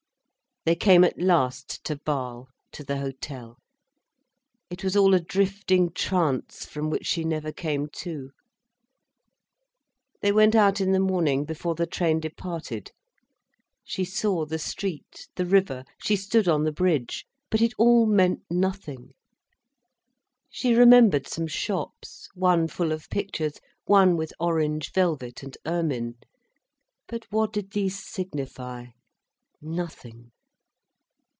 They came at last to Basle, to the hotel. It was all a drifting trance, from which she never came to. They went out in the morning, before the train departed. She saw the street, the river, she stood on the bridge. But it all meant nothing. She remembered some shops—one full of pictures, one with orange velvet and ermine. But what did these signify?—nothing.